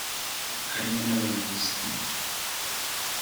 harimo n’abayobozi